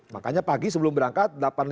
makanya pagi sebelum berangkat